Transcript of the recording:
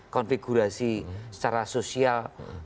konfigurasi secara sosial